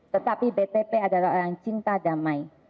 tetapi btp adalah orang cinta damai